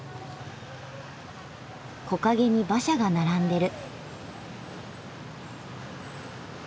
木陰に馬車が並んでる。